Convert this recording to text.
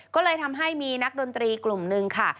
ก็เลยทำให้มีนักดนตรีกลุ่มนึงค่ะ